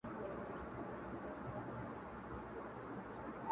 گلي هر وخــت مي پـر زړگــــــــي را اوري.